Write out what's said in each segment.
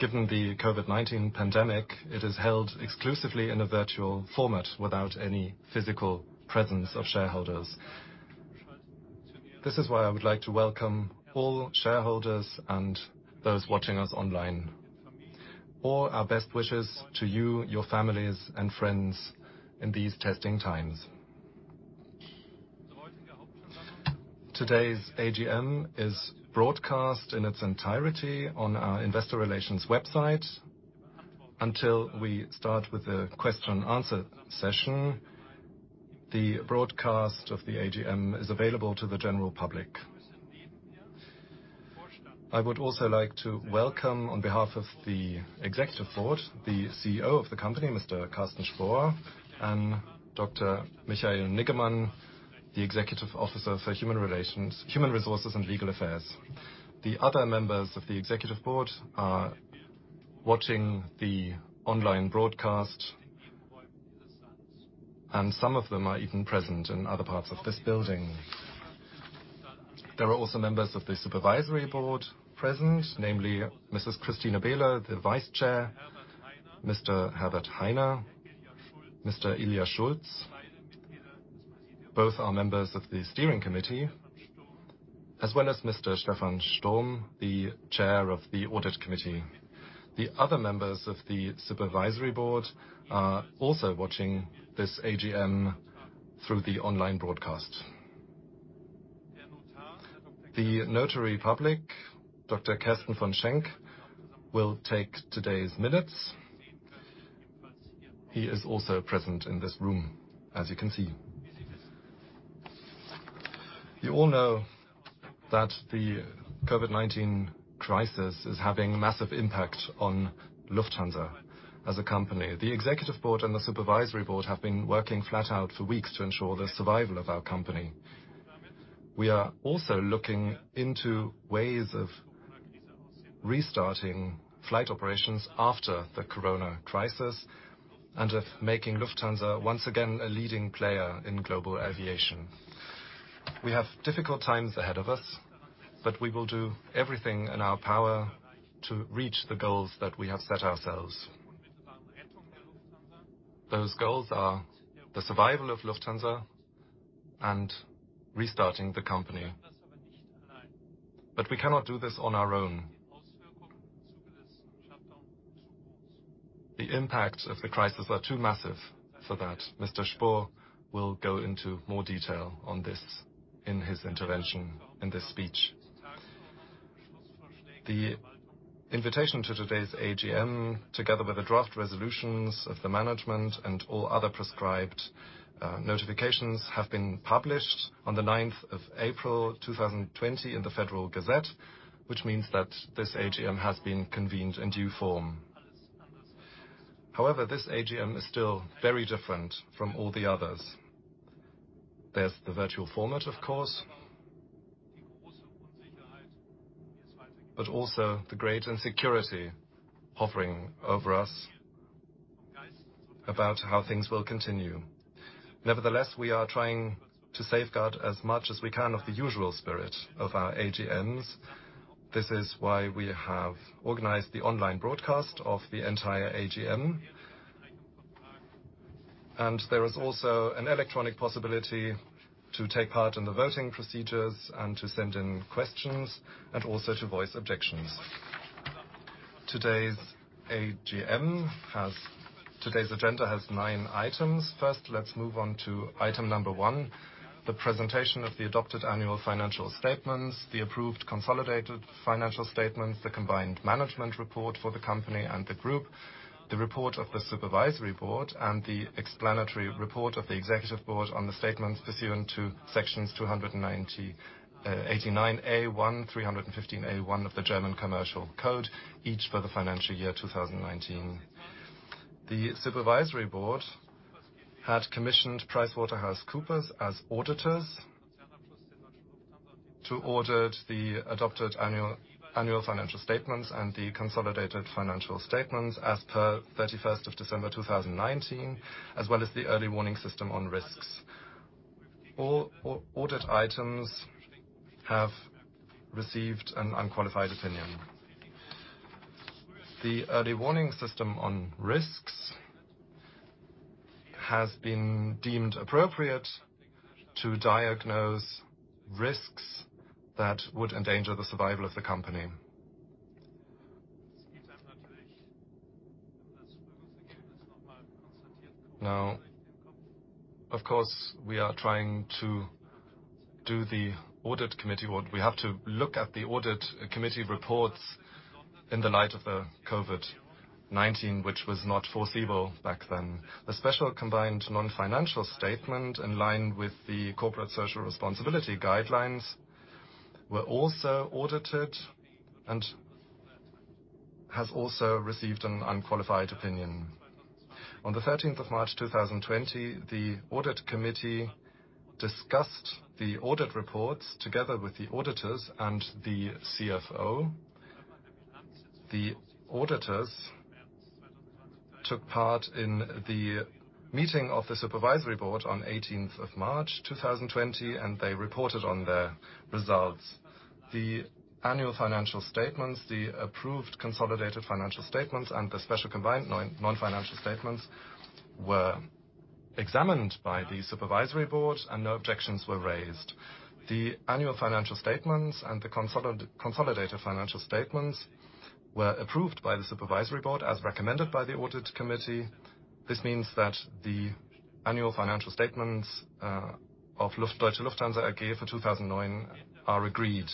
Given the COVID-19 pandemic, it is held exclusively in a virtual format without any physical presence of shareholders. This is why I would like to welcome all shareholders and those watching us online. All our best wishes to you, your families, and friends in these testing times. Today's AGM is broadcast in its entirety on our investor relations website. Until we start with the question and answer session, the broadcast of the AGM is available to the general public. I would also like to welcome, on behalf of the Executive Board, the CEO of the company, Mr. Carsten Spohr, and Dr. Michael Niggemann, the executive officer for human resources and legal affairs. The other members of the Executive Board are watching the online broadcast, and some of them are even present in other parts of this building. There are also members of the Supervisory Board present, namely Mrs. Christine Behle, the Vice Chair, Mr. Herbert Hainer, Mr. Ilja Schulz. Both are members of the steering committee, as well as Mr. Stephan Sturm, the Chair of the Audit Committee. The other members of the Supervisory Board are also watching this AGM through the online broadcast. The notary public, Dr. Kersten von Schenk, will take today's minutes. He is also present in this room, as you can see. You all know that the COVID-19 crisis is having a massive impact on Lufthansa as a company. The Executive Board and the Supervisory Board have been working flat out for weeks to ensure the survival of our company. We are also looking into ways of restarting flight operations after the corona crisis and of making Lufthansa once again a leading player in global aviation. We have difficult times ahead of us. We will do everything in our power to reach the goals that we have set ourselves. Those goals are the survival of Lufthansa and restarting the company. We cannot do this on our own. The impact of the crisis are too massive for that. Mr. Spohr will go into more detail on this in his intervention, in this speech. The invitation to today's AGM, together with the draft resolutions of the management and all other prescribed notifications, have been published on the 9th of April 2020 in the Federal Gazette, which means that this AGM has been convened in due form. However, this AGM is still very different from all the others. There's the virtual format, of course, but also the great insecurity hovering over us about how things will continue. Nevertheless, we are trying to safeguard as much as we can of the usual spirit of our AGMs. This is why we have organized the online broadcast of the entire AGM. There is also an electronic possibility to take part in the voting procedures and to send in questions, and also to voice objections. Today's agenda has nine items. Let's move on to item number one, the presentation of the adopted annual financial statements, the approved consolidated financial statements, the combined management report for the company and the group, the report of the Supervisory Board, and the explanatory report of the Executive Board on the statements pursuant to Sections 289A1, 315A1 of the German Commercial Code, each for the financial year 2019. The Supervisory Board had commissioned PricewaterhouseCoopers as auditors to audit the adopted Annual Financial Statements and the Consolidated Financial Statements as per 31st of December 2019, as well as the Early Warning System on Risks. All audit items have received an unqualified opinion. The Early Warning System on Risks has been deemed appropriate to diagnose risks that would endanger the survival of the company. Now, of course, we are trying to do the Audit Committee, or we have to look at the Audit Committee reports in the light of the COVID-19, which was not foreseeable back then. The Special Combined Non-Financial Statement in line with the Corporate Social Responsibility Guidelines were also audited and have also received an unqualified opinion. On the 13th of March 2020, the Audit Committee discussed the audit reports together with the auditors and the CFO. The auditors took part in the meeting of the Supervisory Board on 18th of March 2020. They reported on their results. The annual financial statements, the approved consolidated financial statements, and the special combined non-financial statements were examined by the Supervisory Board, and no objections were raised. The annual financial statements and the consolidated financial statements were approved by the Supervisory Board as recommended by the Audit Committee. This means that the annual financial statements of Deutsche Lufthansa AG for 2019 are agreed.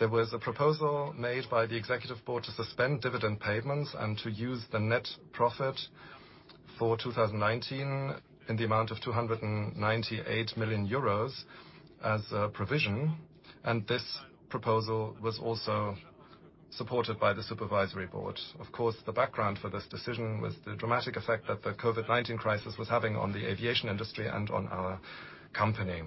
There was a proposal made by the Executive Board to suspend dividend payments and to use the net profit for 2019 in the amount of 298 million euros as a provision. This proposal was also supported by the Supervisory Board. Of course, the background for this decision was the dramatic effect that the COVID-19 crisis was having on the aviation industry and on our company.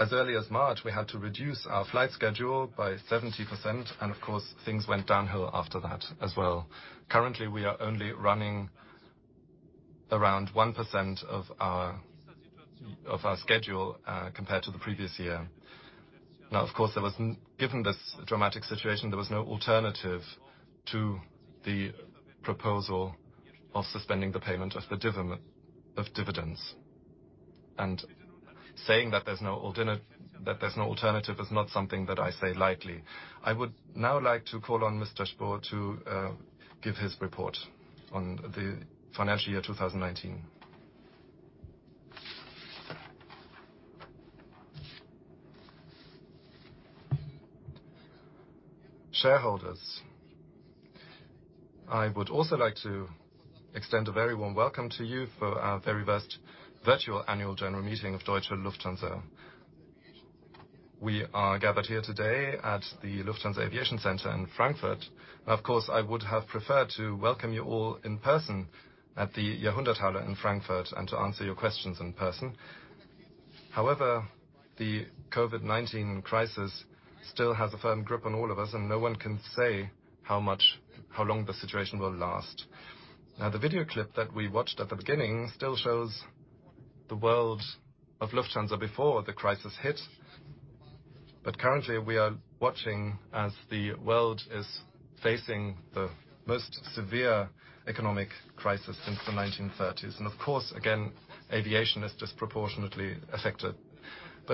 As early as March, we had to reduce our flight schedule by 70% and of course, things went downhill after that as well. Currently, we are only running around 1% of our schedule compared to the previous year. Now, of course, given this dramatic situation, there was no alternative to the proposal of suspending the payment of dividends. Saying that there's no alternative is not something that I say lightly. I would now like to call on Mr. Spohr to give his report on the financial year 2019. Shareholders, I would also like to extend a very warm welcome to you for our very first virtual annual general meeting of Deutsche Lufthansa. We are gathered here today at the Lufthansa Aviation Center in Frankfurt, and of course, I would have preferred to welcome you all in person at the Jahrhunderthalle in Frankfurt and to answer your questions in person. However, the COVID-19 crisis still has a firm grip on all of us, and no one can say how long this situation will last. Now, the video clip that we watched at the beginning still shows the world of Lufthansa before the crisis hit. Currently, we are watching as the world is facing the most severe economic crisis since the 1930s, and of course, again, aviation is disproportionately affected.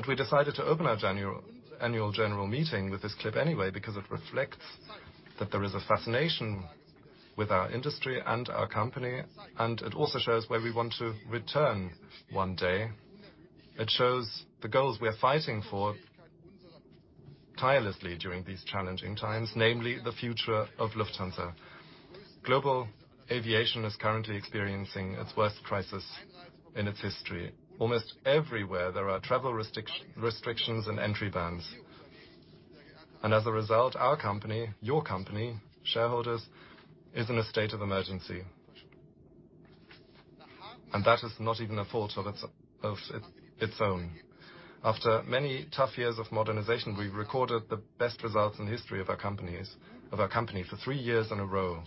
We decided to open our annual general meeting with this clip anyway because it reflects that there is a fascination with our industry and our company, and it also shows where we want to return one day. It shows the goals we're fighting for tirelessly during these challenging times, namely the future of Lufthansa. Global aviation is currently experiencing its worst crisis in its history. Almost everywhere there are travel restrictions and entry bans. As a result, our company, your company, shareholders, is in a state of emergency. That is not even a fault of its own. After many tough years of modernization, we recorded the best results in the history of our company for three years in a row.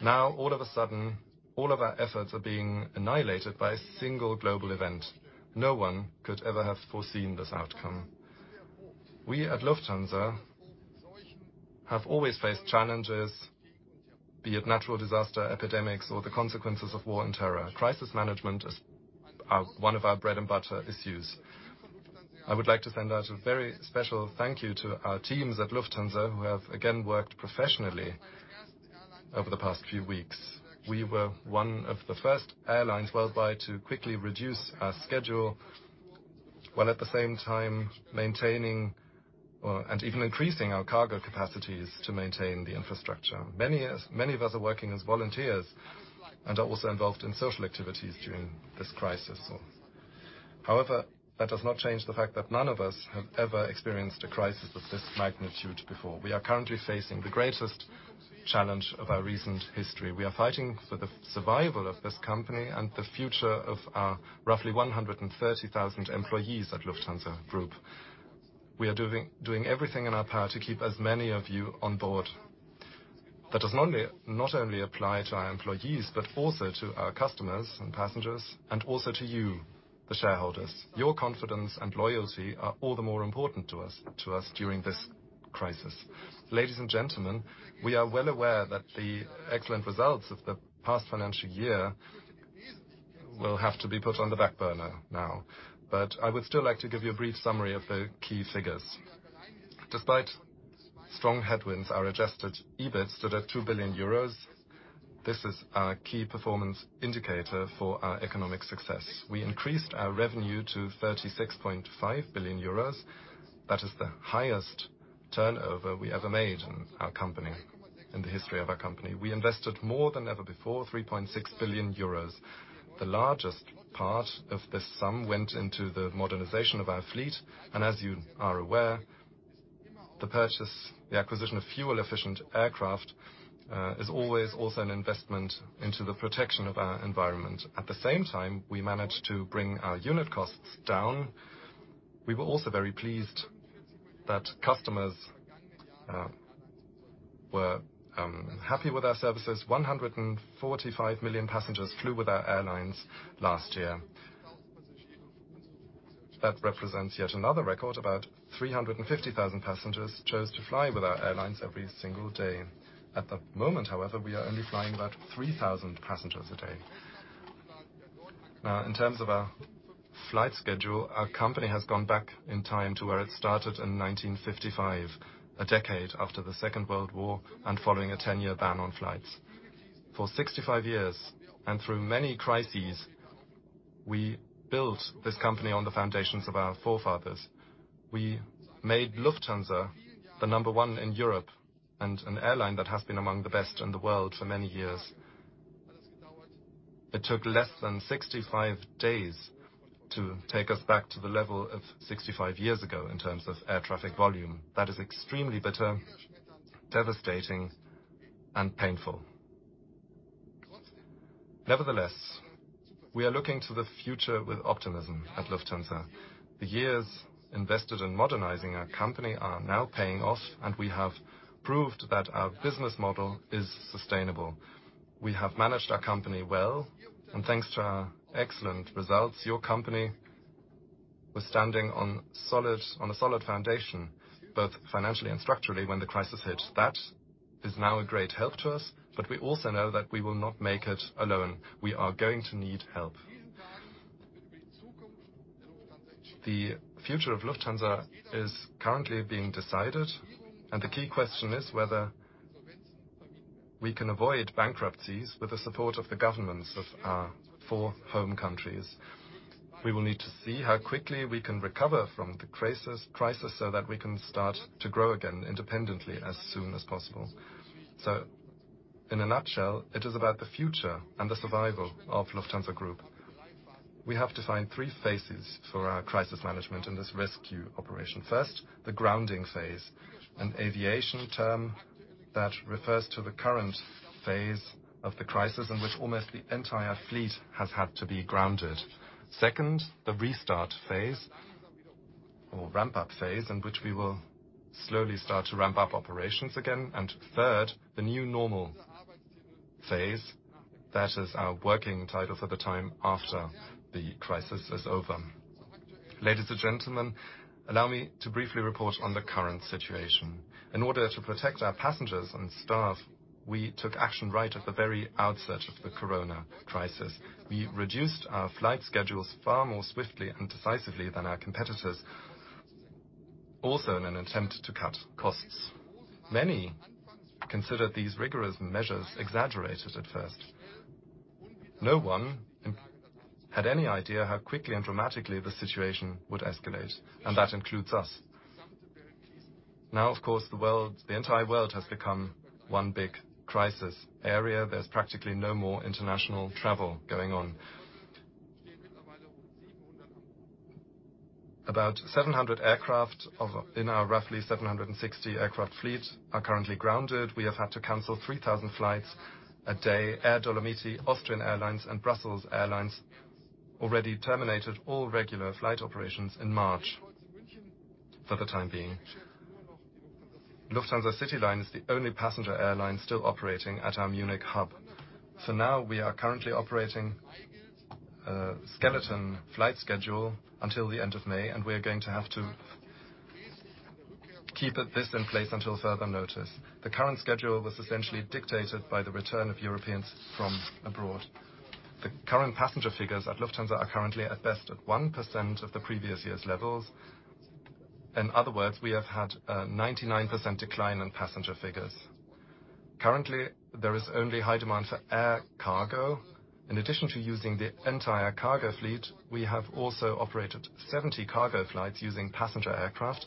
Now, all of a sudden, all of our efforts are being annihilated by a single global event. No one could ever have foreseen this outcome. We at Lufthansa have always faced challenges, be it natural disaster epidemics or the consequences of war and terror. Crisis management is one of our bread-and-butter issues. I would like to send out a very special thank you to our teams at Lufthansa, who have again worked professionally over the past few weeks. We were one of the first airlines worldwide to quickly reduce our schedule, while at the same time maintaining and even increasing our cargo capacities to maintain the infrastructure. Many of us are working as volunteers and are also involved in social activities during this crisis. However, that does not change the fact that none of us have ever experienced a crisis of this magnitude before. We are currently facing the greatest challenge of our recent history. We are fighting for the survival of this company and the future of our roughly 130,000 employees at Lufthansa Group. We are doing everything in our power to keep as many of you on board. That does not only apply to our employees, but also to our customers and passengers, and also to you, the shareholders. Your confidence and loyalty are all the more important to us during this crisis. Ladies and gentlemen, we are well aware that the excellent results of the past financial year will have to be put on the back burner now. I would still like to give you a brief summary of the key figures. Despite strong headwinds, our adjusted EBIT stood at 2 billion euros. This is our key performance indicator for our economic success. We increased our revenue to 36.5 billion euros. That is the highest turnover we ever made in the history of our company. We invested more than ever before, 3.6 billion euros. The largest part of this sum went into the modernization of our fleet, and as you are aware, the acquisition of fuel-efficient aircraft is always also an investment into the protection of our environment. At the same time, we managed to bring our unit costs down. We were also very pleased that customers were happy with our services. 145 million passengers flew with our airlines last year. That represents yet another record. About 350,000 passengers chose to fly with our airlines every single day. At the moment, however, we are only flying about 3,000 passengers a day. In terms of our flight schedule, our company has gone back in time to where it started in 1955, a decade after the Second World War, and following a 10-year ban on flights. For 65 years, and through many crises, we built this company on the foundations of our forefathers. We made Lufthansa the number one in Europe and an airline that has been among the best in the world for many years. It took less than 65 days to take us back to the level of 65 years ago in terms of air traffic volume. That is extremely bitter, devastating, and painful. Nevertheless, we are looking to the future with optimism at Lufthansa. The years invested in modernizing our company are now paying off, and we have proved that our business model is sustainable. We have managed our company well, and thanks to our excellent results, your company was standing on a solid foundation, both financially and structurally when the crisis hit. That is now a great help to us, but we also know that we will not make it alone. We are going to need help. The future of Lufthansa is currently being decided, and the key question is whether we can avoid bankruptcies with the support of the governments of our four home countries. We will need to see how quickly we can recover from the crisis so that we can start to grow again independently as soon as possible. In a nutshell, it is about the future and the survival of Lufthansa Group. We have defined 3 phases for our crisis management in this rescue operation. First, the grounding phase, an aviation term that refers to the current phase of the crisis in which almost the entire fleet has had to be grounded. Second, the restart phase or ramp-up phase, in which we will slowly start to ramp up operations again. Third, the new normal phase. That is our working title for the time after the crisis is over. Ladies and gentlemen, allow me to briefly report on the current situation. In order to protect our passengers and staff, we took action right at the very outset of the corona crisis. We reduced our flight schedules far more swiftly and decisively than our competitors, also in an attempt to cut costs. Many considered these rigorous measures exaggerated at first. No one had any idea how quickly and dramatically the situation would escalate, and that includes us. Now, of course, the entire world has become one big crisis area. There's practically no more international travel going on. About 700 aircraft in our roughly 760 aircraft fleet are currently grounded. We have had to cancel 3,000 flights a day. Air Dolomiti, Austrian Airlines, and Brussels Airlines already terminated all regular flight operations in March for the time being. Lufthansa CityLine is the only passenger airline still operating at our Munich hub. Now we are currently operating a skeleton flight schedule until the end of May, and we are going to have to keep this in place until further notice. The current schedule was essentially dictated by the return of Europeans from abroad. The current passenger figures at Lufthansa are currently, at best, at 1% of the previous year's levels. In other words, we have had a 99% decline in passenger figures. Currently, there is only high demand for air cargo. In addition to using the entire cargo fleet, we have also operated 70 cargo flights using passenger aircraft.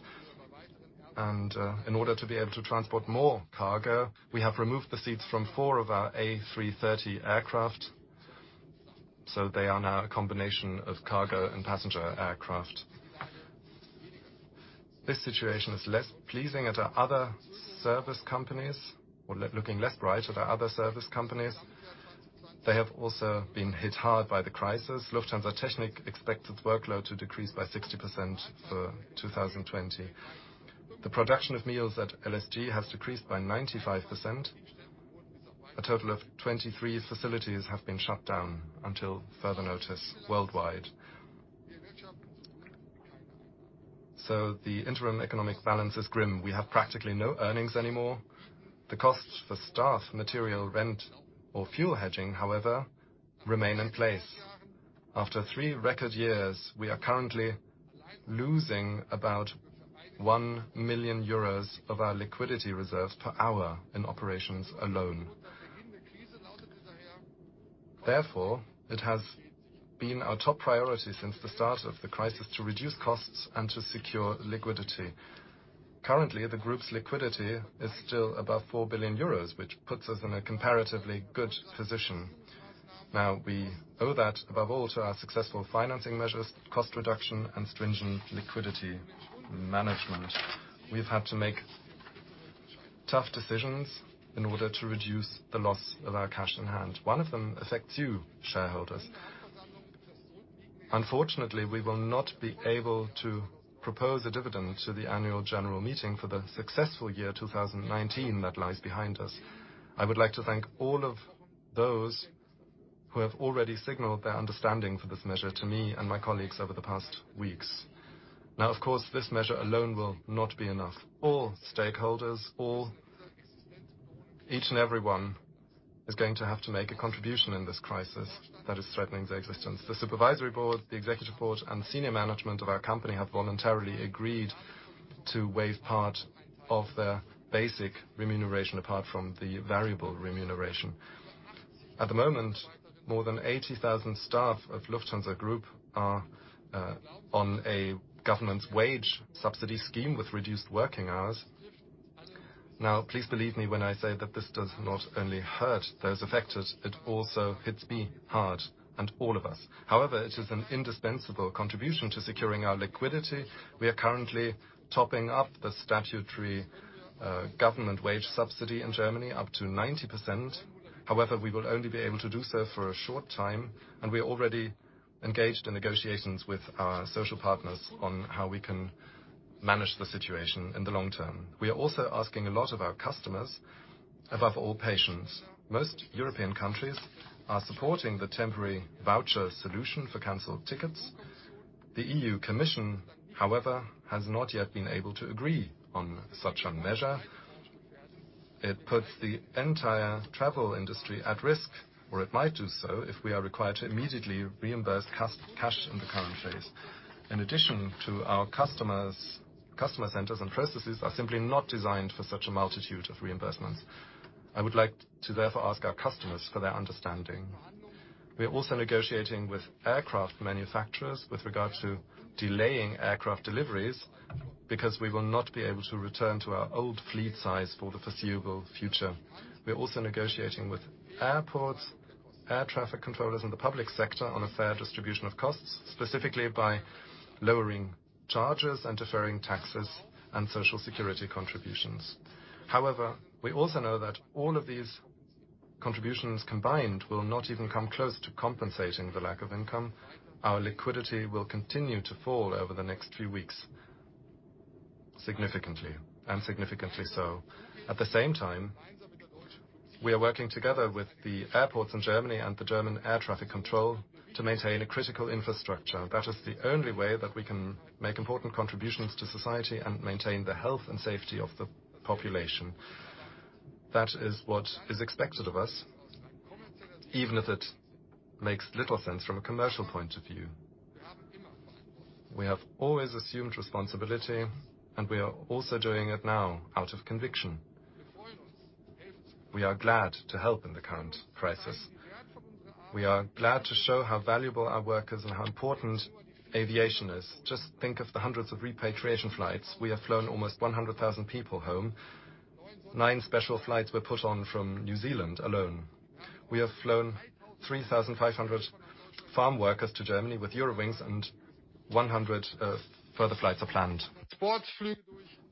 In order to be able to transport more cargo, we have removed the seats from four of our A330 aircraft, so they are now a combination of cargo and passenger aircraft. This situation is less pleasing at our other service companies or looking less bright at our other service companies. They have also been hit hard by the crisis. Lufthansa Technik expects its workload to decrease by 60% for 2020. The production of meals at LSG has decreased by 95%. A total of 23 facilities have been shut down until further notice worldwide. The interim economic balance is grim. We have practically no earnings anymore. The costs for staff, material, rent, or fuel hedging, however, remain in place. After three record years, we are currently losing about 1 million euros of our liquidity reserves per hour in operations alone. It has been our top priority since the start of the crisis to reduce costs and to secure liquidity. Currently, the group's liquidity is still above 4 billion euros, which puts us in a comparatively good position. We owe that above all to our successful financing measures, cost reduction, and stringent liquidity management. We've had to make tough decisions in order to reduce the loss of our cash in hand. One of them affects you, shareholders. Unfortunately, we will not be able to propose a dividend to the annual general meeting for the successful year 2019 that lies behind us. I would like to thank all of those who have already signaled their understanding for this measure to me and my colleagues over the past weeks. Of course, this measure alone will not be enough. All stakeholders, each and everyone is going to have to make a contribution in this crisis that is threatening their existence. The Supervisory Board, the Executive Board, and Senior Management of our company have voluntarily agreed to waive part of their basic remuneration apart from the variable remuneration. At the moment, more than 80,000 staff of Lufthansa Group are on a government wage subsidy scheme with reduced working hours. Please believe me when I say that this does not only hurt those affected, it also hits me hard and all of us. However, it is an indispensable contribution to securing our liquidity. We are currently topping up the statutory government wage subsidy in Germany up to 90%. However, we will only be able to do so for a short time, and we already engaged in negotiations with our social partners on how we can manage the situation in the long term. We are also asking a lot of our customers, above all, patience. Most European countries are supporting the temporary voucher solution for canceled tickets. The EU Commission, however, has not yet been able to agree on such a measure. It puts the entire travel industry at risk, or it might do so, if we are required to immediately reimburse cash in the current phase. In addition to our customers, customer centers and processes are simply not designed for such a multitude of reimbursements. I would like to therefore ask our customers for their understanding. We are also negotiating with aircraft manufacturers with regard to delaying aircraft deliveries, because we will not be able to return to our old fleet size for the foreseeable future. We are also negotiating with airports, air traffic controllers, and the public sector on a fair distribution of costs, specifically by lowering charges and deferring taxes and social security contributions. However, we also know that all of these contributions combined will not even come close to compensating the lack of income. Our liquidity will continue to fall over the next few weeks significantly. At the same time, we are working together with the airports in Germany and the German air traffic control to maintain a critical infrastructure. That is the only way that we can make important contributions to society and maintain the health and safety of the population. That is what is expected of us, even if it makes little sense from a commercial point of view. We have always assumed responsibility. We are also doing it now out of conviction. We are glad to help in the current crisis. We are glad to show how valuable our workers and how important aviation is. Just think of the hundreds of repatriation flights. We have flown almost 100,000 people home. Nine special flights were put on from New Zealand alone. We have flown 3,500 farm workers to Germany with Eurowings. 100 further flights are planned.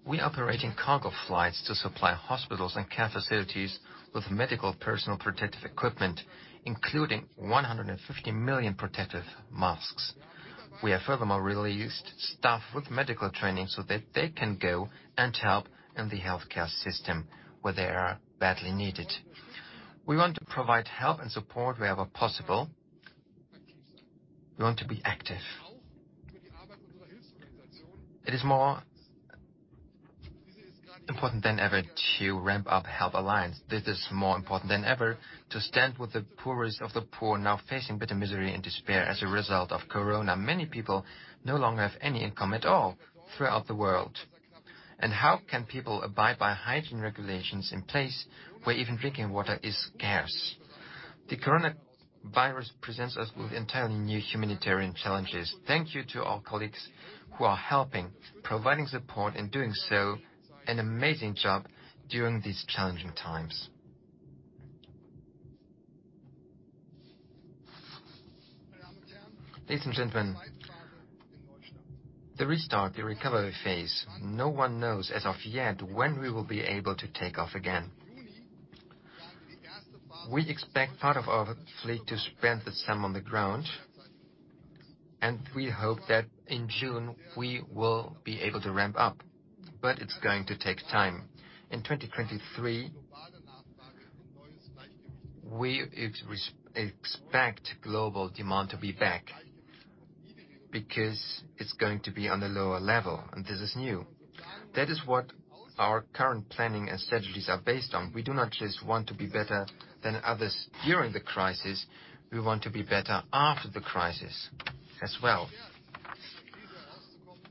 We are operating cargo flights to supply hospitals and care facilities with medical personal protective equipment, including 150 million protective masks. We have furthermore released staff with medical training so that they can go and help in the healthcare system where they are badly needed. We want to provide help and support wherever possible. We want to be active. It is more important than ever to ramp up Help Alliance. This is more important than ever to stand with the poorest of the poor now facing bitter misery and despair as a result of corona. Many people no longer have any income at all throughout the world. How can people abide by hygiene regulations in place where even drinking water is scarce? The coronavirus presents us with entirely new humanitarian challenges. Thank you to our colleagues who are helping, providing support, and doing still an amazing job during these challenging times. Ladies and gentlemen, the restart, the recovery phase. No one knows as of yet when we will be able to take off again. We expect part of our fleet to spend the summer on the ground, and we hope that in June we will be able to ramp up, but it's going to take time. In 2023, we expect global demand to be back because it's going to be on a lower level, and this is new. That is what our current planning and strategies are based on. We do not just want to be better than others during the crisis. We want to be better after the crisis as well.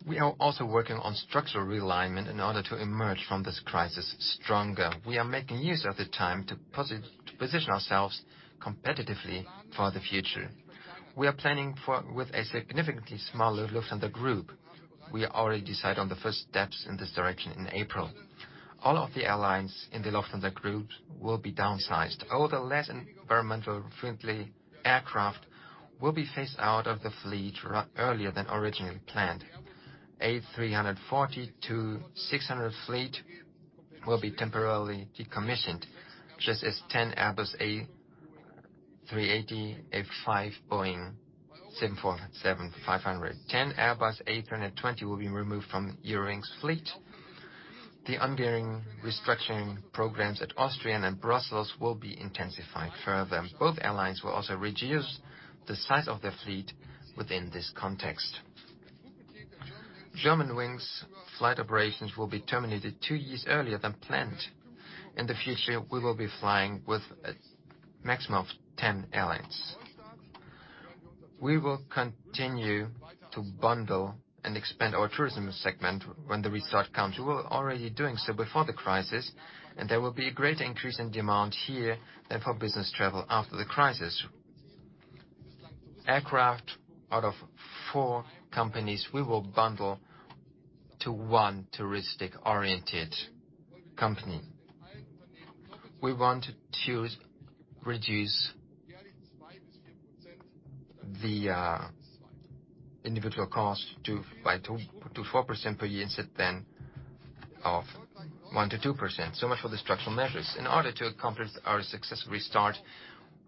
We are also working on structural realignment in order to emerge from this crisis stronger. We are making use of the time to position ourselves competitively for the future. We are planning with a significantly smaller Lufthansa Group. We already decide on the first steps in this direction in April. All of the airlines in the Lufthansa Group will be downsized. All the less environmentally friendly aircraft will be phased out of the fleet earlier than originally planned. A340-600 fleet will be temporarily decommissioned, just as 10 Airbus A380, five Boeing 747, 5-10 Airbus A320 will be removed from Eurowings' fleet. The ongoing restructuring programs at Austrian and Brussels will be intensified further. Both airlines will also reduce the size of their fleet within this context. Germanwings flight operations will be terminated two years earlier than planned. In the future, we will be flying with a maximum of 10 airlines. We will continue to bundle and expand our tourism segment when the restart comes. We were already doing so before the crisis, and there will be a greater increase in demand here than for business travel after the crisis. Aircraft out of four companies, we will bundle to one touristic-oriented company. We want to reduce the individual cost by 2%-4% per year instead then of 1%-2%. Much for the structural measures. In order to accomplish our successful restart,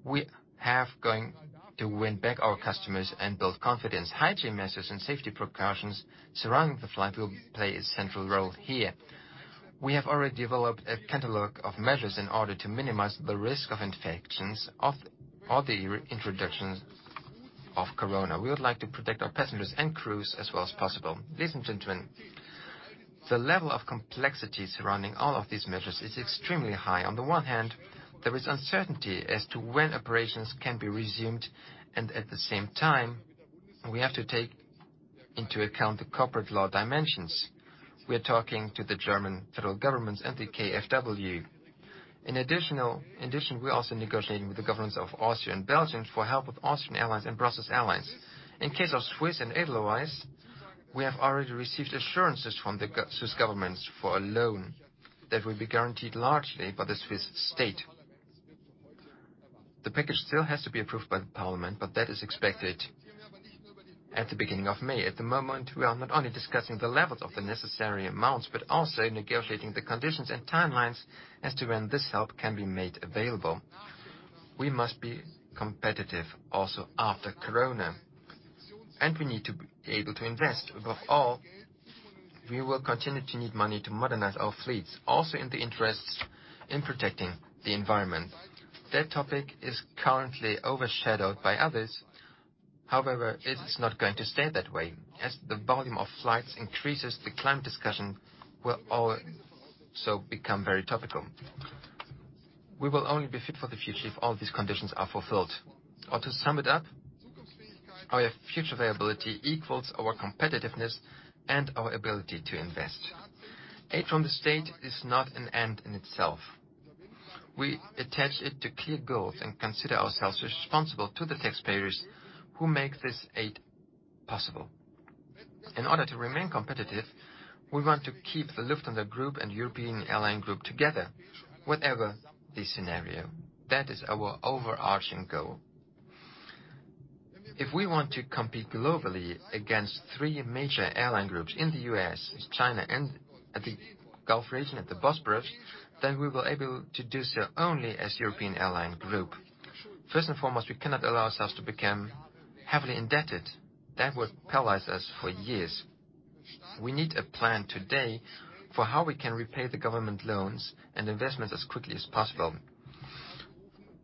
we have going to win back our customers and build confidence. Hygiene measures and safety precautions surrounding the flight will play a central role here. We have already developed a catalog of measures in order to minimize the risk of infections of the reintroduction of COVID. We would like to protect our passengers and crews as well as possible. Ladies and gentlemen, the level of complexity surrounding all of these measures is extremely high. On the one hand, there is uncertainty as to when operations can be resumed, and at the same time, we have to take into account the corporate law dimensions. We're talking to the German federal government and the KfW. In addition, we're also negotiating with the governments of Austria and Belgium for help with Austrian Airlines and Brussels Airlines. In case of Swiss and Edelweiss, we have already received assurances from the Swiss government for a loan that will be guaranteed largely by the Swiss state. The package still has to be approved by the parliament, but that is expected at the beginning of May. At the moment, we are not only discussing the levels of the necessary amounts but also negotiating the conditions and timelines as to when this help can be made available. We must be competitive also after COVID-19, and we need to be able to invest. Above all, we will continue to need money to modernize our fleets, also in the interest in protecting the environment. That topic is currently overshadowed by others. However, it is not going to stay that way. As the volume of flights increases, the climate discussion will also become very topical. We will only be fit for the future if all these conditions are fulfilled. To sum it up, our future viability equals our competitiveness and our ability to invest. Aid from the state is not an end in itself. We attach it to clear goals and consider ourselves responsible to the taxpayers who make this aid possible. In order to remain competitive, we want to keep the Lufthansa Group and European Airline Group together, whatever the scenario. That is our overarching goal. If we want to compete globally against three major airline groups in the U.S., China, and the Gulf region at the Bosporus, then we will able to do so only as European airline group. First and foremost, we cannot allow ourselves to become heavily indebted. That would paralyze us for years. We need a plan today for how we can repay the government loans and investments as quickly as possible.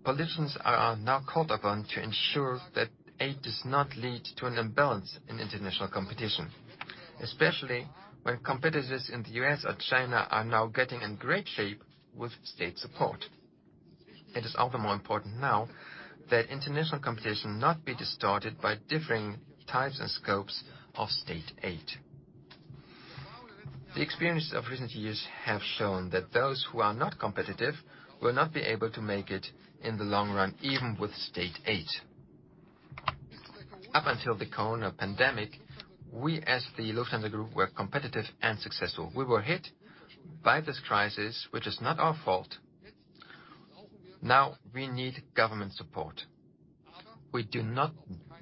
Politicians are now called upon to ensure that aid does not lead to an imbalance in international competition, especially when competitors in the U.S. or China are now getting in great shape with state support. It is all the more important now that international competition not be distorted by differing types and scopes of state aid. The experience of recent years have shown that those who are not competitive will not be able to make it in the long run, even with state aid. Up until the COVID-19 pandemic, we as the Lufthansa Group were competitive and successful. We were hit by this crisis, which is not our fault. Now we need government support. We do not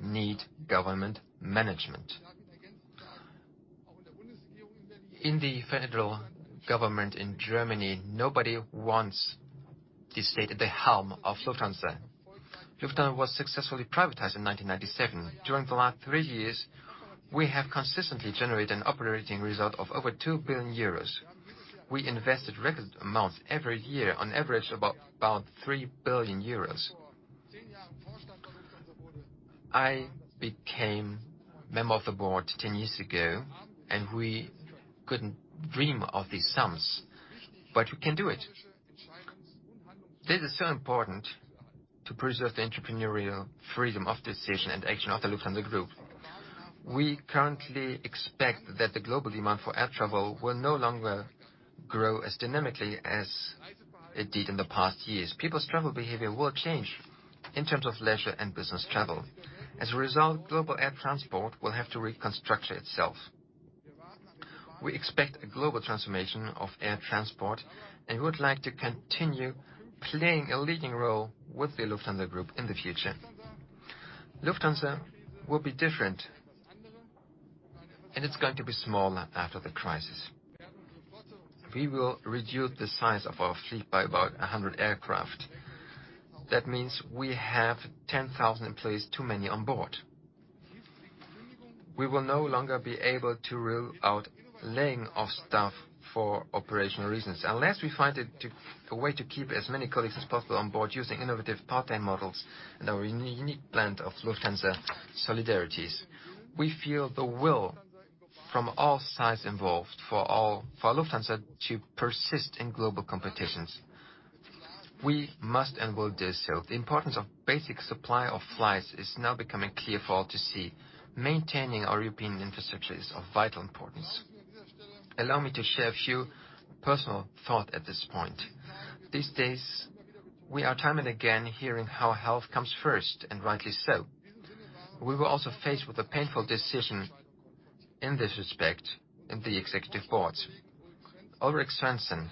need government management. In the federal government in Germany, nobody wants the state at the helm of Lufthansa. Lufthansa was successfully privatized in 1997. During the last three years, we have consistently generated an operating result of over 2 billion euros. We invested record amounts every year, on average, about 3 billion euros. I became a Member of the Board 10 years ago, and we couldn't dream of these sums, but we can do it. This is so important to preserve the entrepreneurial freedom of decision and action of the Lufthansa Group. We currently expect that the global demand for air travel will no longer grow as dynamically as it did in the past years. People's travel behavior will change in terms of leisure and business travel. As a result, global air transport will have to restructure itself. We expect a global transformation of air transport and would like to continue playing a leading role with the Lufthansa Group in the future. Lufthansa will be different. It's going to be smaller after the crisis. We will reduce the size of our fleet by about 100 aircraft. That means we have 10,000 employees too many on board. We will no longer be able to rule out laying off staff for operational reasons unless we find a way to keep as many colleagues as possible on board using innovative part-time models and our unique blend of Lufthansa solidarities. We feel the will from all sides involved for Lufthansa to persist in global competitions. We must enable this help. The importance of basic supply of flights is now becoming clear for all to see. Maintaining our European infrastructure is of vital importance. Allow me to share a few personal thoughts at this point. These days, we are time and again hearing how health comes first, and rightly so. We were also faced with a painful decision in this respect in the Executive Board. Ulrik Svensson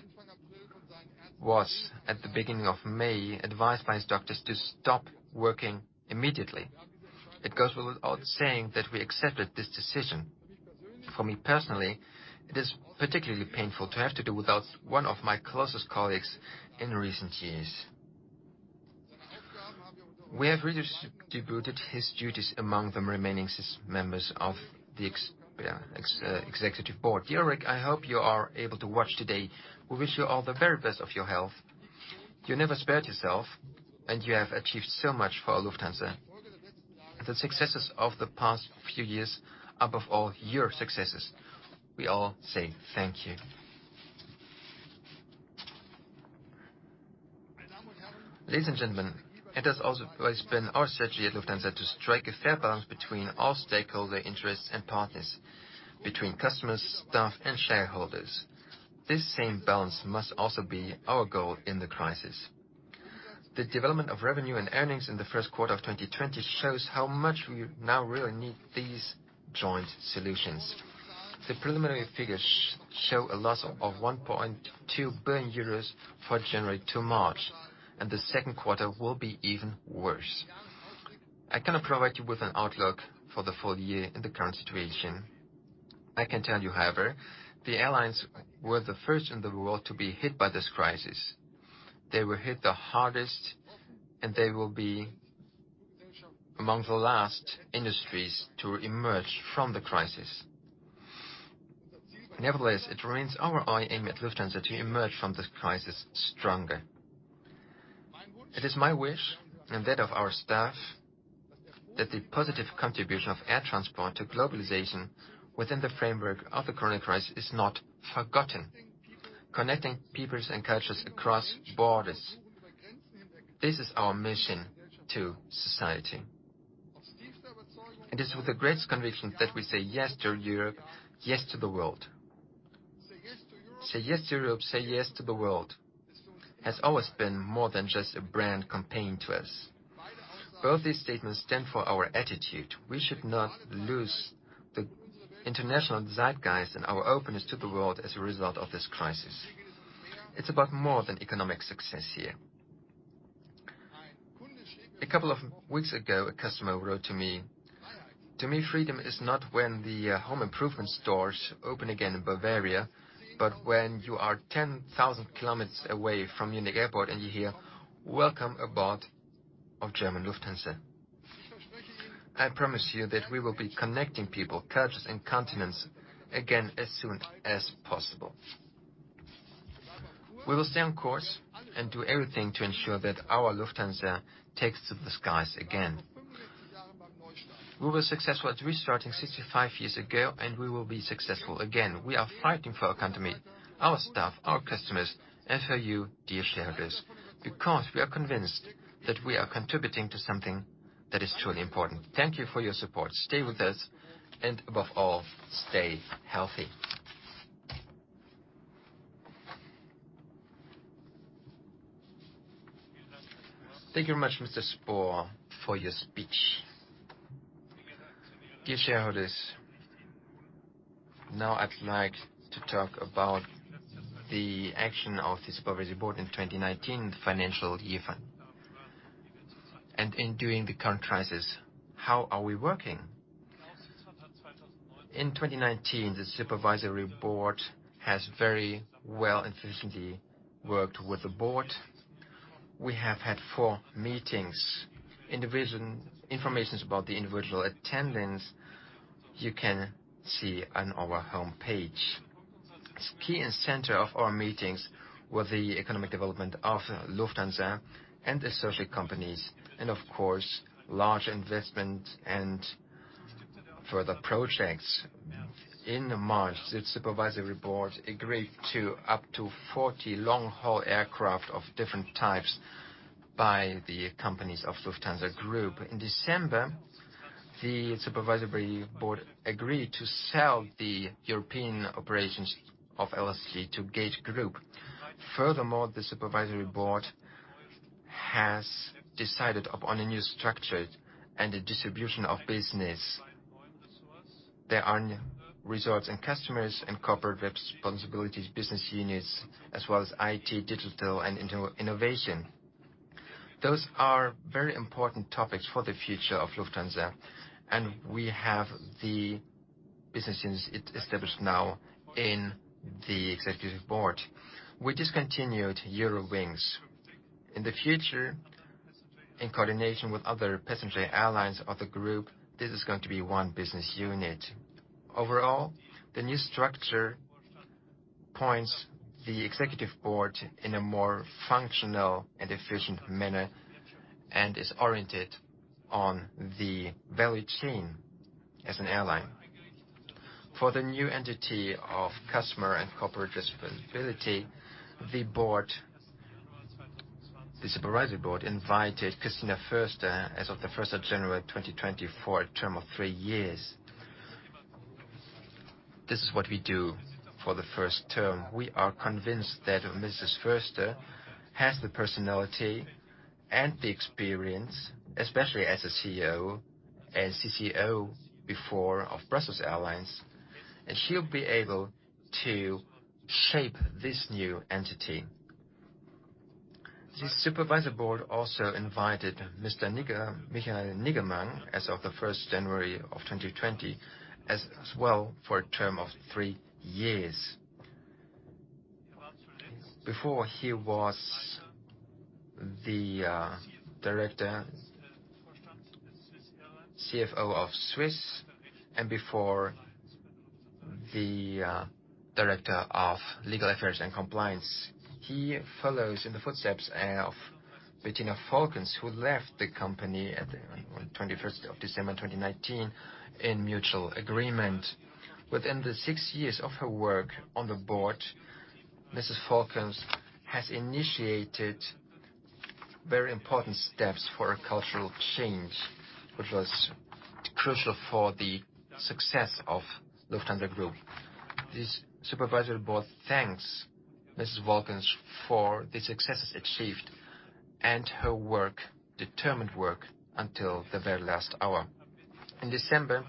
was, at the beginning of May, advised by his doctors to stop working immediately. It goes without saying that we accepted this decision. For me personally, it is particularly painful to have to do without one of my closest colleagues in recent years. We have redistributed his duties among the remaining members of the Executive Board. Dear Ulrik, I hope you are able to watch today. We wish you all the very best of your health. You never spared yourself, and you have achieved so much for Lufthansa. The successes of the past few years, above all, your successes. We all say thank you. Ladies and gentlemen, it has always been our strategy at Lufthansa to strike a fair balance between all stakeholder interests and partners, between customers, staff, and shareholders. This same balance must also be our goal in the crisis. The development of revenue and earnings in the first quarter of 2020 shows how much we now really need these joint solutions. The preliminary figures show a loss of 1.2 billion euros for January to March, and the second quarter will be even worse. I cannot provide you with an outlook for the full year in the current situation. I can tell you, however, the airlines were the first in the world to be hit by this crisis. They were hit the hardest, and they will be among the last industries to emerge from the crisis. Nevertheless, it remains our aim at Lufthansa to emerge from this crisis stronger. It is my wish and that of our staff that the positive contribution of air transport to globalization within the framework of the current crisis is not forgotten. Connecting peoples and cultures across borders. This is our mission to society. It is with the greatest conviction that we say yes to Europe, yes to the world. Say yes to Europe, say yes to the world has always been more than just a brand campaign to us. Both these statements stand for our attitude. We should not lose the international zeitgeist and our openness to the world as a result of this crisis. It is about more than economic success here. A couple of weeks ago, a customer wrote to me, "To me, freedom is not when the home improvement stores open again in Bavaria, but when you are 10,000 kilometers away from Munich Airport and you hear, 'Welcome aboard of Lufthansa.'" I promise you that we will be connecting people, cultures, and continents again as soon as possible. We will stay on course and do everything to ensure that our Lufthansa takes to the skies again. We were successful at restarting 65 years ago, and we will be successful again. We are fighting for our company, our staff, our customers, and for you, dear shareholders, because we are convinced that we are contributing to something that is truly important. Thank you for your support. Stay with us, and above all, stay healthy. Thank you very much, Mr. Spohr, for your speech. Dear shareholders, now I'd like to talk about the action of the Supervisory Board in 2019, the financial year end. In doing the current crisis, how are we working? In 2019, the Supervisory Board has very well and efficiently worked with the Board. We have had four meetings. Informations about the individual attendance you can see on our homepage. Key and center of our meetings were the economic development of Lufthansa and associated companies and, of course, large investment and further projects. In March, the Supervisory Board agreed to up to 40 long-haul aircraft of different types by the companies of Lufthansa Group. In December, the Supervisory Board agreed to sell the European operations of LSG to gategroup. Furthermore, the Supervisory Board has decided upon a new structure and a distribution of business. There are results in customers and corporate responsibilities, business units, as well as IT, digital, and innovation. Those are very important topics for the future of Lufthansa, and we have the business units established now in the Executive Board. We discontinued Eurowings. In the future, in coordination with other passenger airlines of the group, this is going to be one business unit. Overall, the new structure points the Executive Board in a more functional and efficient manner and is oriented on the value chain as an airline. For the new entity of customer and corporate responsibility, the Supervisory Board invited Christina Foerster as of the 1st of January 2020 for a term of three years. This is what we do for the first term. We are convinced that Mrs. Foerster has the personality and the experience, especially as a CEO and CCO before of Brussels Airlines, and she'll be able to shape this new entity. The Supervisory Board also invited Mr. Michael Niggemann as of the 1st of January 2020, as well for a term of three years. Before, he was the Director, CFO of Swiss, and before, the Director of Legal Affairs and Compliance. He follows in the footsteps of Bettina Volkens, who left the company on 21st of December 2019 in mutual agreement. Within the six years of her work on the Board, Mrs. Volkens has initiated very important steps for a cultural change, which was crucial for the success of Lufthansa Group. This Supervisory Board thanks Mrs. Volkens for the successes achieved and her determined work until the very last hour. In December,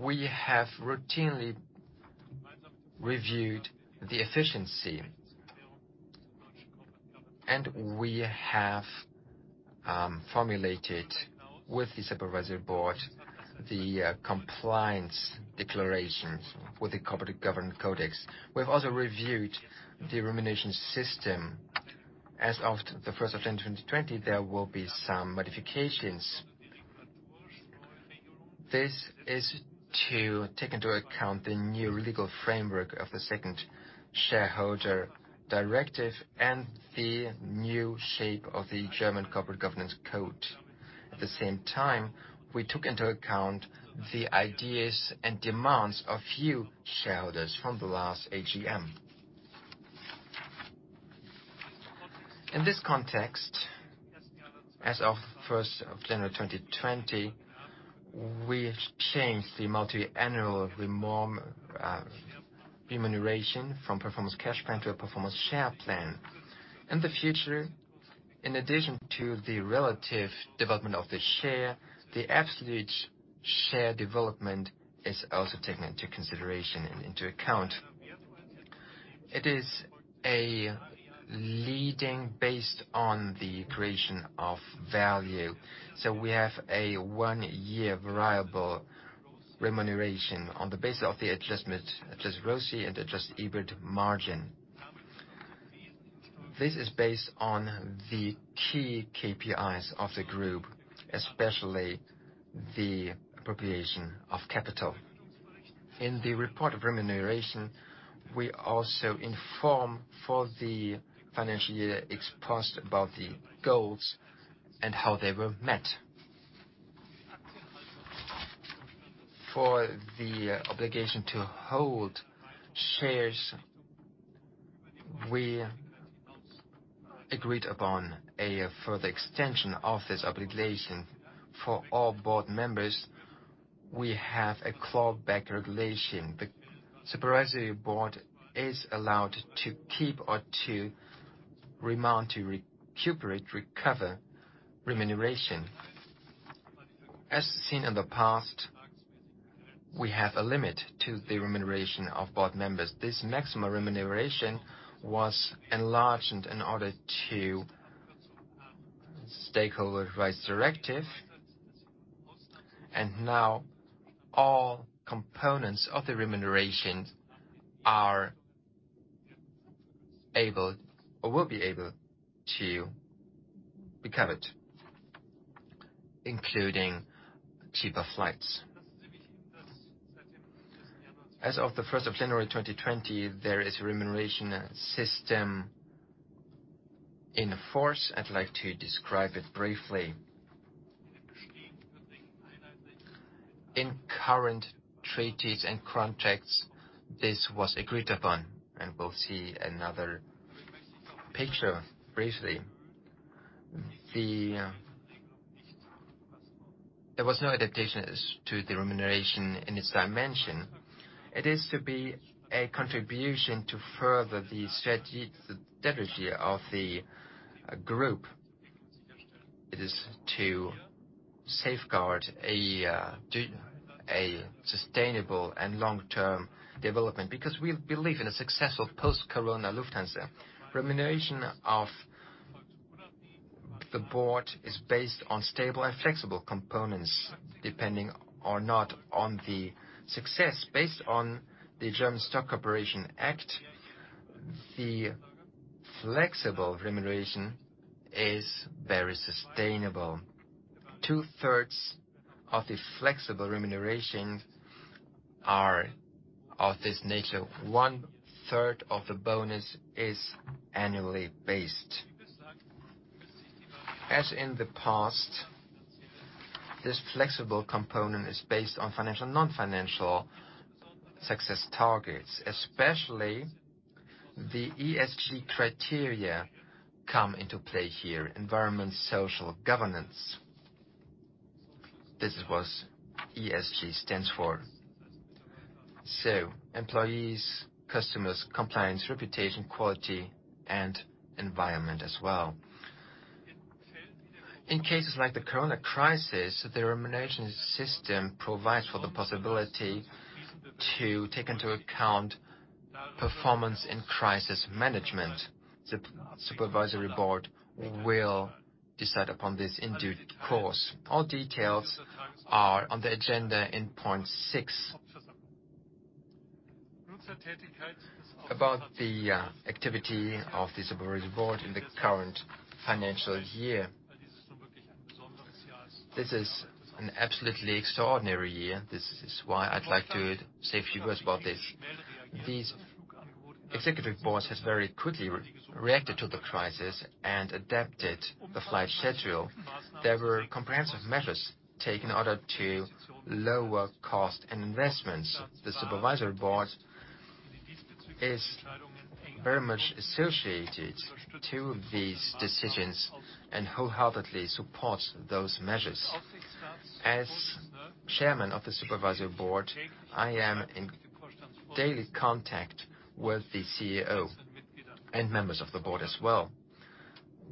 we have routinely reviewed the efficiency and we have formulated with the Supervisory Board the compliance declarations with the Corporate Governance Code. We've also reviewed the remuneration system. As of the 1st of January 2020, there will be some modifications. This is to take into account the new legal framework of the second Shareholder Directive and the new shape of the German Corporate Governance Code. At the same time, we took into account the ideas and demands of few shareholders from the last AGM. In this context, as of 1st of January 2020, we changed the multi-annual remuneration from Performance Cash Plan to a Performance Share Plan. In the future, in addition to the relative development of the share, the absolute share development is also taken into consideration and into account. It is a leading based on the creation of value. We have a one-year variable remuneration on the basis of the adjusted ROCE and adjusted EBIT margin. This is based on the key KPIs of the Group, especially the appropriation of capital. In the report of remuneration, we also inform for the financial year ex post about the goals and how they were met. For the obligation to hold shares, we agreed upon a further extension of this obligation. For all Board members, we have a clawback regulation. The Supervisory Board is allowed to keep or to recuperate, recover remuneration. As seen in the past, we have a limit to the remuneration of Board members. This maximum remuneration was enlarged in order to Shareholder Rights Directive, and now all components of the remuneration are able or will be able to be covered, including cheaper flights. As of the 1st of January 2020, there is a remuneration system in force. I'd like to describe it briefly. In current treaties and contracts, this was agreed upon, and we'll see another picture briefly. There was no adaptation as to the remuneration in its dimension. It is to be a contribution to further the strategy of the group. It is to safeguard a sustainable and long-term development because we believe in a successful post-COVID-19 Lufthansa. Remuneration of the Board is based on stable and flexible components, depending or not on the success. Based on the German Stock Corporation Act, the flexible remuneration is very sustainable. Two-thirds of the flexible remunerations are of this nature. One-third of the bonus is annually based. As in the past, this flexible component is based on financial and non-financial success targets, especially the ESG criteria come into play here, environment, social, governance. This is what ESG stands for. Employees, customers, compliance, reputation, quality, and environment as well. In cases like the COVID crisis, the remuneration system provides for the possibility to take into account performance in crisis management. The Supervisory Board will decide upon this in due course. All details are on the agenda in point six. About the activity of the Supervisory Board in the current financial year. This is an absolutely extraordinary year. This is why I'd like to say a few words about this. This Executive Board has very quickly reacted to the crisis and adapted the flight schedule. There were comprehensive measures taken in order to lower cost and investments. The Supervisory Board is very much associated to these decisions and wholeheartedly supports those measures. As chairman of the Supervisory Board, I am in daily contact with the CEO and members of the Board as well.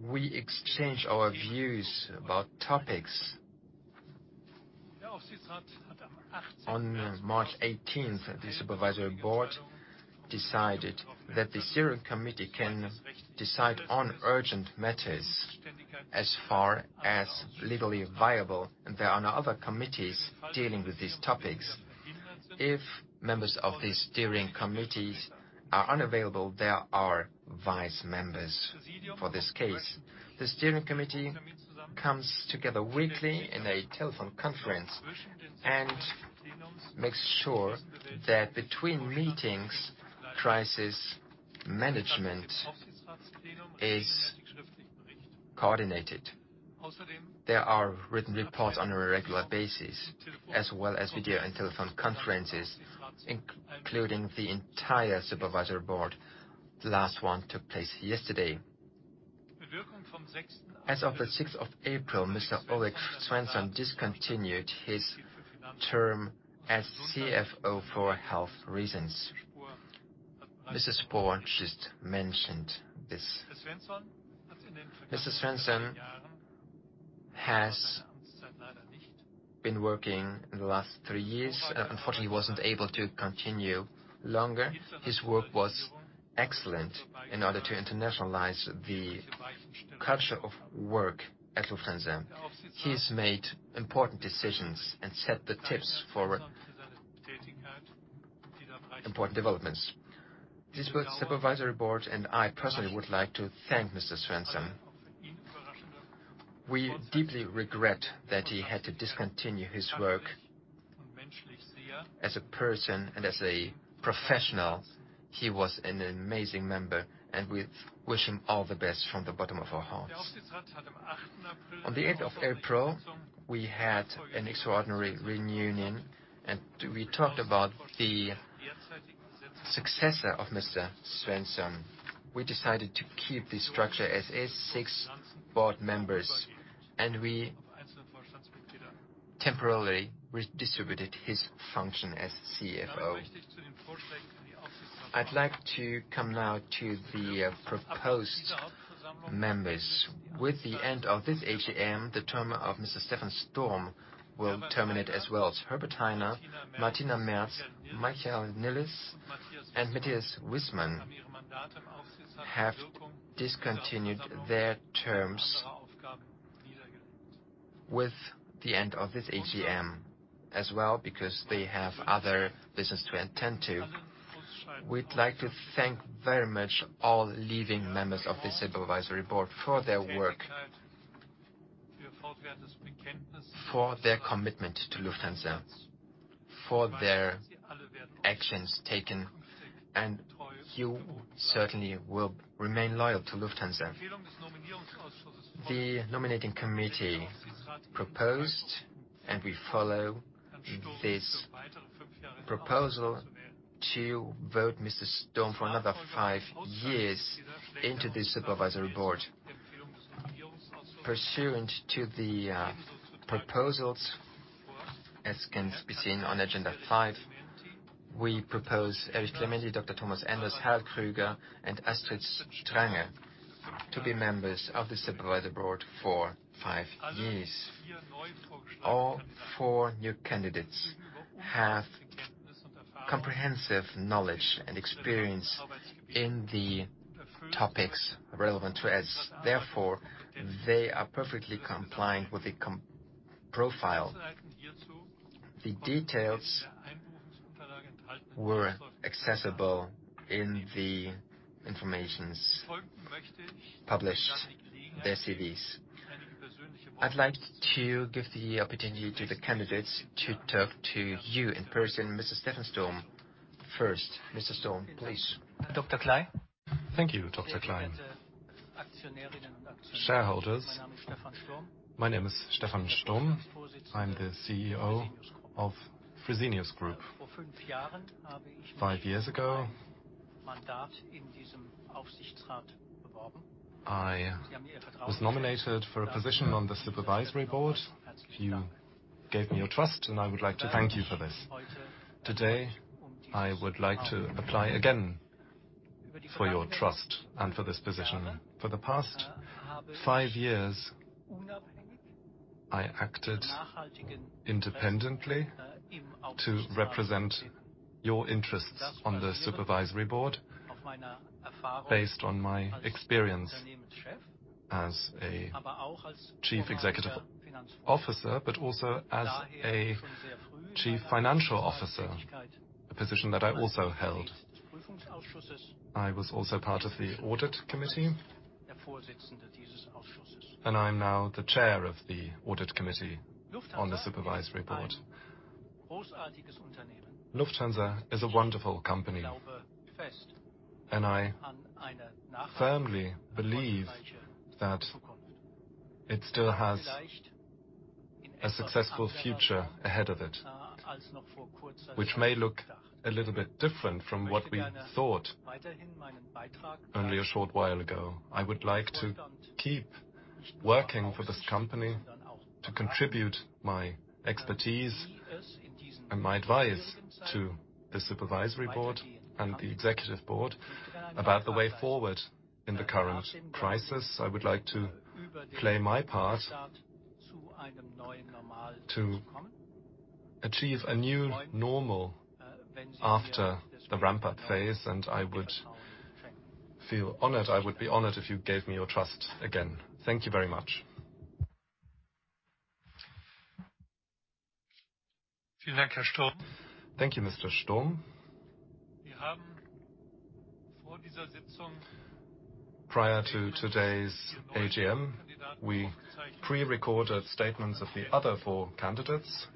We exchange our views about topics. On March 18th, the Supervisory Board decided that the steering committee can decide on urgent matters as far as legally viable, and there are no other committees dealing with these topics. If members of the steering committees are unavailable, there are vice members for this case. The steering committee comes together weekly in a telephone conference and makes sure that between meetings, crisis management is coordinated. There are written reports on a regular basis, as well as video and telephone conferences, including the entire Supervisory Board. The last one took place yesterday. As of the 6th of April, Mr. Ulrik Svensson discontinued his term as CFO for health reasons. Mr. Carsten Spohr just mentioned this. Mr. Svensson has been working in the last three years, and unfortunately, wasn't able to continue longer. His work was excellent in order to internationalize the culture of work at Lufthansa. He's made important decisions and set the tips for important developments. This Board, Supervisory Board, and I personally would like to thank Mr. Svensson. We deeply regret that he had to discontinue his work. As a person and as a professional, he was an amazing member, and we wish him all the best from the bottom of our hearts. On the 8th of April, we had an extraordinary reunion, and we talked about the successor of Mr. Svensson. We decided to keep the structure as is, six board members, and we temporarily redistributed his function as CFO. I'd like to come now to the proposed members. With the end of this AGM, the term of Mr. Stephan Sturm will terminate as well as Herbert Hainer, Martina Merz, Michael Nilles, and Matthias Wissmann have discontinued their terms with the end of this AGM as well because they have other business to attend to. We'd like to thank very much all leaving members of the Supervisory Board for their work, for their commitment to Lufthansa, for their actions taken. You certainly will remain loyal to Lufthansa. The nominating committee proposed, we follow this proposal to vote Mr. Sturm for another five years into the Supervisory Board. Pursuant to the proposals As can be seen on agenda five, we propose Erich Clementi, Dr Thomas Enders, Harald Krüger, and Astrid Stange to be members of the Supervisory Board for five years. All four new candidates have comprehensive knowledge and experience in the topics relevant to us. Therefore, they are perfectly compliant with the profile. The details were accessible in the informations published, their CVs. I'd like to give the opportunity to the candidates to talk to you in person. Mr. Stephan Sturm, first. Mr. Sturm, please. Thank you, Dr Kley. Shareholders, my name is Stephan Sturm. I'm the CEO of Fresenius Group. Five years ago, I was nominated for a position on the Supervisory Board. You gave me your trust, and I would like to thank you for this. Today, I would like to apply again for your trust and for this position. For the past five years, I acted independently to represent your interests on the Supervisory Board based on my experience as a Chief Executive Officer, but also as a Chief Financial Officer, a position that I also held. I was also part of the Audit Committee, and I am now the Chair of the Audit Committee on the Supervisory Board. Lufthansa is a wonderful company, I firmly believe that it still has a successful future ahead of it, which may look a little bit different from what we thought only a short while ago. I would like to keep working for this company to contribute my expertise and my advice to the Supervisory Board and the Executive Board about the way forward in the current crisis. I would like to play my part to achieve a new normal after the ramp-up phase, I would be honored if you gave me your trust again. Thank you very much. Thank you, Mr. Sturm. Prior to today's AGM, we pre-recorded statements of the other four candidates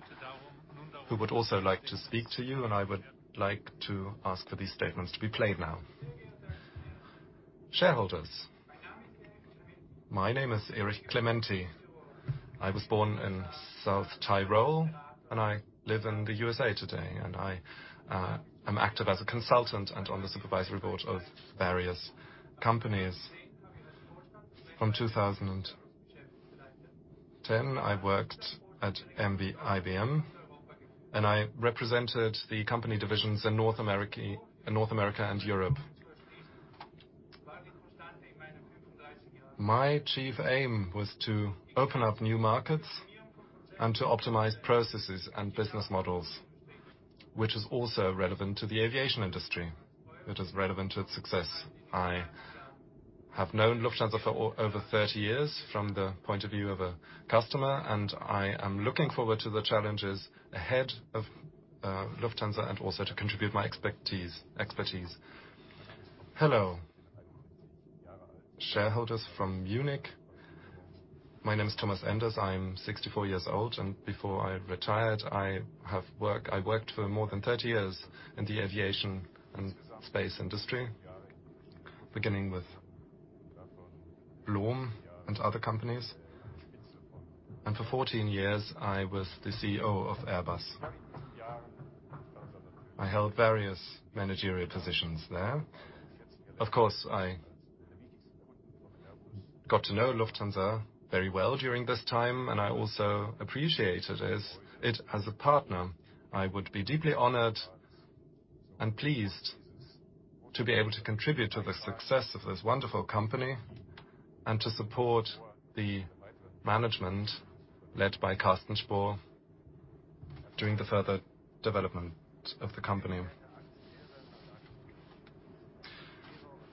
who would also like to speak to you, and I would like to ask for these statements to be played now. Shareholders. My name is Erich Clementi. I was born in South Tyrol, and I live in the U.S.A. today, I am active as a Consultant and on the Supervisory Board of various companies. From 2010, I worked at IBM, I represented the company divisions in North America and Europe. My chief aim was to open up new markets and to optimize processes and business models, which is also relevant to the aviation industry. It is relevant to its success. I have known Lufthansa for over 30 years from the point of view of a customer, I am looking forward to the challenges ahead of Lufthansa and also to contribute my expertise. Hello, shareholders from Munich. My name is Thomas Enders. I'm 64 years old, before I retired, I worked for more than 30 years in the aviation and space industry, beginning with Blohm and other companies. For 14 years, I was the CEO of Airbus. I held various managerial positions there. Of course, I got to know Lufthansa very well during this time, and I also appreciated it as a partner. I would be deeply honored and pleased to be able to contribute to the success of this wonderful company and to support the management led by Carsten Spohr during the further development of the company.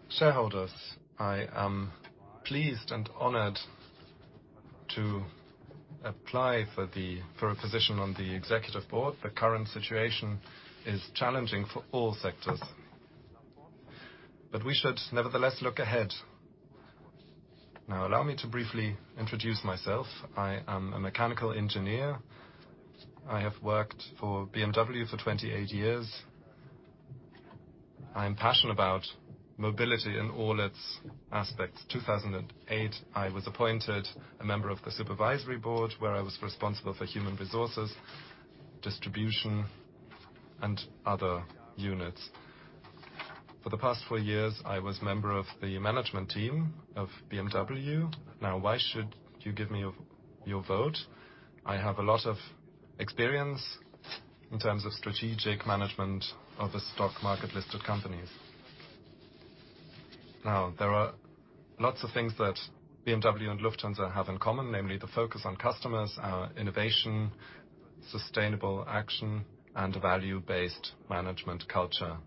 Shareholders, I am pleased and honored to apply for a position on the Executive Board. The current situation is challenging for all sectors, but we should nevertheless look ahead. Now allow me to briefly introduce myself. I am a mechanical engineer. I have worked for BMW for 28 years. I am passionate about mobility in all its aspects. 2008, I was appointed a member of the Supervisory Board, where I was responsible for human resources, distribution, and other units. For the past four years, I was member of the management team of BMW. Why should you give me your vote? I have a lot of experience in terms of strategic management of the stock market listed companies. There are lots of things that BMW and Lufthansa have in common, namely the focus on customers, innovation, sustainable action, and a value-based management culture.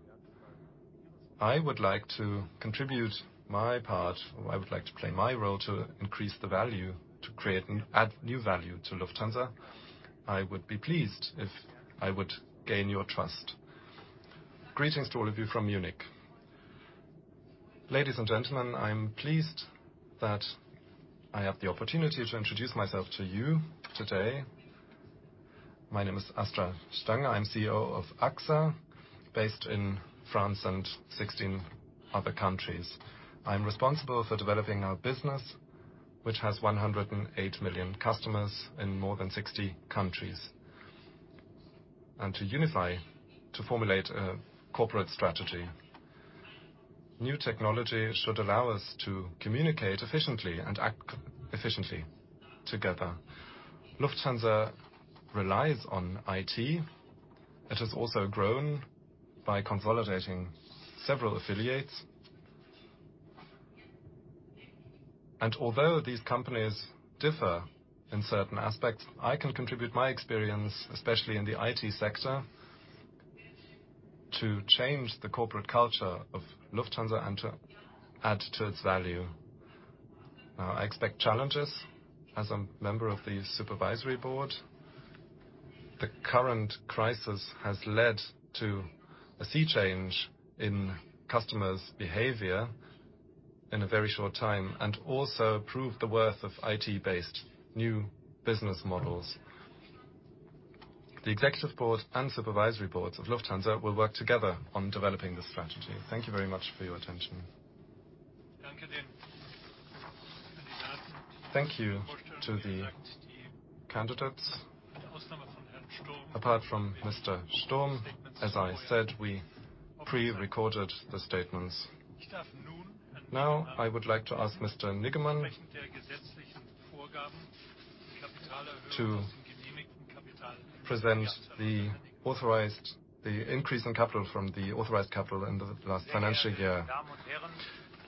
I would like to contribute my part, or I would like to play my role to increase the value, to create and add new value to Lufthansa. I would be pleased if I would gain your trust. Greetings to all of you from Munich. Ladies and gentlemen, I'm pleased that I have the opportunity to introduce myself to you today. My name is Astrid Stange. I'm CEO of AXA, based in France and 16 other countries. I'm responsible for developing our business, which has 108 million customers in more than 60 countries. To unify, to formulate a corporate strategy. New technology should allow us to communicate efficiently and act efficiently together. Lufthansa relies on IT. It has also grown by consolidating several affiliates. Although these companies differ in certain aspects, I can contribute my experience, especially in the IT sector, to change the corporate culture of Lufthansa and to add to its value. Now, I expect challenges as a member of the Supervisory Board. The current crisis has led to a sea change in customers' behavior in a very short time and also proved the worth of IT-based new business models. The Executive Board and Supervisory Boards of Lufthansa will work together on developing this strategy. Thank you very much for your attention. Thank you to the candidates. Apart from Mr. Sturm, as I said, we pre-recorded the statements. Now, I would like to ask Mr. Niggemann to present the increase in capital from the authorized capital in the last financial year.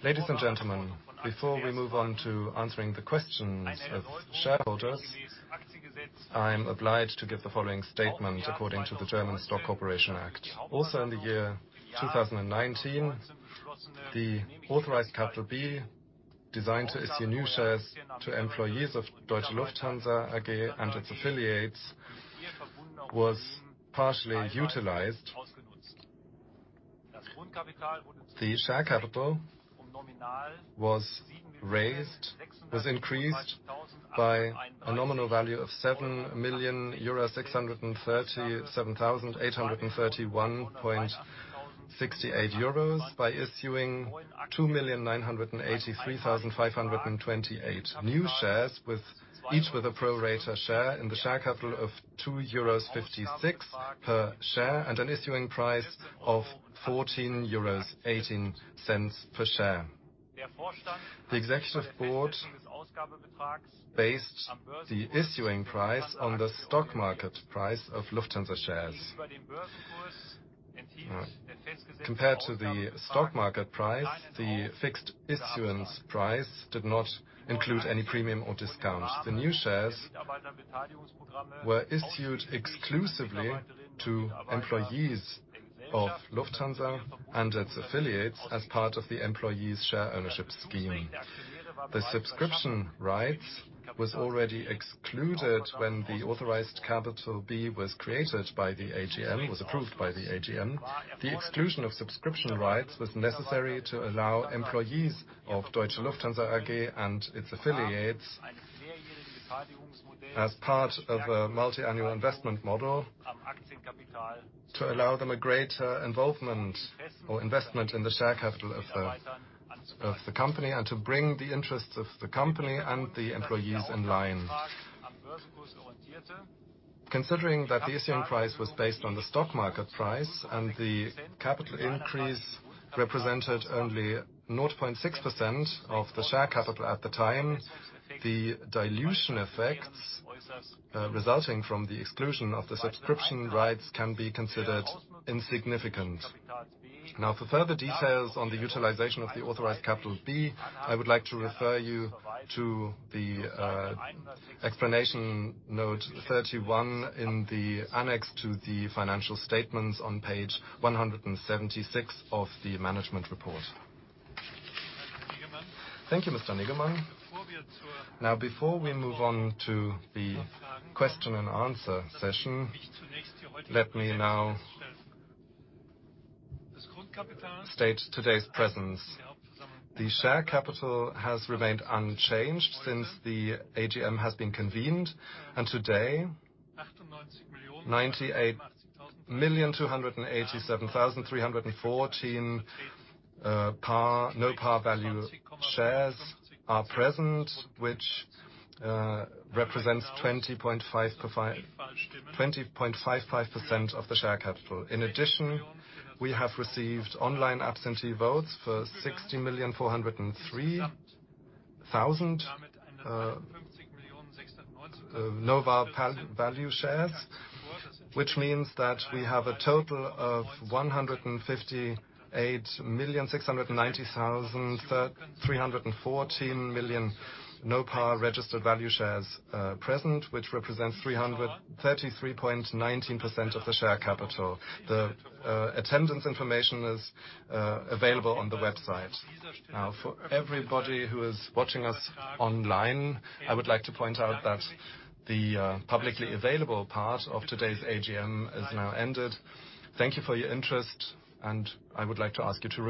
Ladies and gentlemen, before we move on to answering the questions of shareholders, I am obliged to give the following statement according to the German Stock Corporation Act. Also in the year 2019, the authorized capital B, designed to issue new shares to employees of Deutsche Lufthansa AG and its affiliates, was partially utilized. The share capital was increased by a nominal value of 7,637,831.68 euros by issuing 2,983,528 new shares with each with a pro rata share in the share capital of 2.56 euros per share and an issuing price of 14.18 euros per share. The Executive Board based the issuing price on the stock market price of Lufthansa shares. Compared to the stock market price, the fixed issuance price did not include any premium or discount. The new shares were issued exclusively to employees of Lufthansa and its affiliates as part of the employees' share ownership scheme. The subscription rights was already excluded when the authorized capital B was created by the AGM, was approved by the AGM. The exclusion of subscription rights was necessary to allow employees of Deutsche Lufthansa AG and its affiliates, as part of a multi-annual investment model, to allow them a greater involvement or investment in the share capital of the company and to bring the interests of the company and the employees in line. Considering that the issuing price was based on the stock market price and the capital increase represented only 0.6% of the share capital at the time, the dilution effects resulting from the exclusion of the subscription rights can be considered insignificant. For further details on the utilization of the authorized capital B, I would like to refer you to the explanation note 31 in the annex to the financial statements on page 176 of the management report. Thank you, Mr. Niggemann. Before we move on to the question and answer session, let me now state today's presence. The share capital has remained unchanged since the AGM has been convened, and today, 98,287,314 no par value shares are present, which represents 20.55% of the share capital. In addition, we have received online absentee votes for 60,403,000 no par value shares, which means that we have a total of 158,690,314 no par registered value shares present, which represents 33.19% of the share capital. The attendance information is available on the website. For everybody who is watching us online, I would like to point out that the publicly available part of today's AGM has now ended. Thank you for your interest. I would like to ask you.